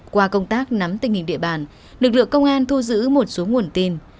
qua công tác nắm tình hình địa bàn lực lượng công an thu giữ một số nguồn tin